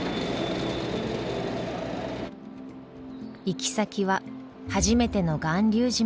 行き先は初めての巌流島。